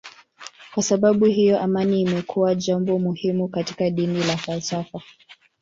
Kwa sababu hiyo amani imekuwa jambo muhimu katika dini na falsafa.